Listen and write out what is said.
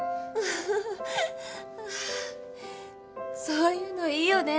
そういうのいいよね。